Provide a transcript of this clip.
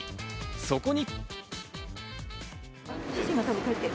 そこに。